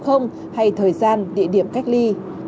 hay thời gian địa điểm cách ly